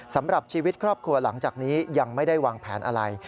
สำหรับชีวิตครอบครัวหลังจากนี้ยังไม่ได้วางแผนอะไร